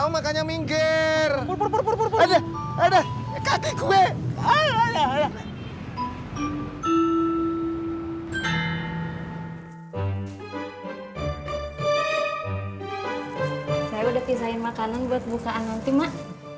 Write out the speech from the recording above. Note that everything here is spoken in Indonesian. makanan buat bukaan nanti mak